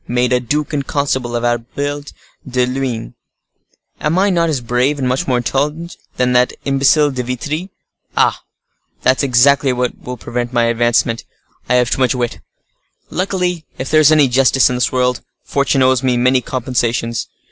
made a duke and constable of Albert de Luynes? Am I not as brave, and much more intelligent, than that imbecile De Vitry? Ah! that's exactly what will prevent my advancement: I have too much wit. Luckily, if there is any justice in this world, fortune owes me many compensations.